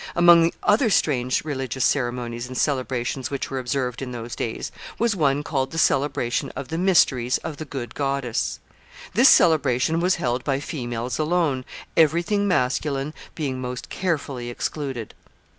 Among the other strange religious ceremonies and celebrations which were observed in those days, was one called the celebration of the mysteries of the Good Goddess. This celebration was held by females alone, every thing masculine being most carefully excluded.